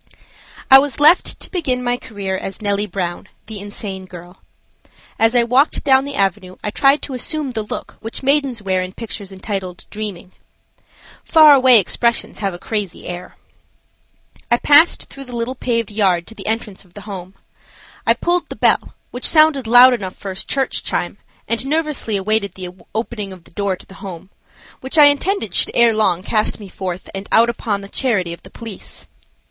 I WAS left to begin my career as Nellie Brown, the insane girl. As I walked down the avenue I tried to assume the look which maidens wear in pictures entitled "Dreaming." "Far away" expressions have a crazy air. I passed through the little paved yard to the entrance of the Home. I pulled the bell, which sounded loud enough for a church chime, and nervously awaited the opening of the door to the Home, which I intended should ere long cast me forth and out upon the charity of the police.